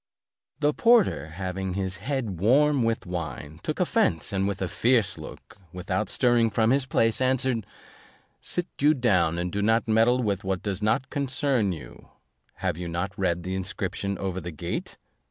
The porter having his head warm with wine, took offence and with a fierce look, without stirring from his place, answered, "Sit you down, and do not meddle with what does not concern you: have you not read the inscription over the gate?